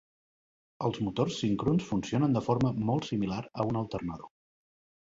Els motors síncrons funcionen de forma molt similar a un alternador.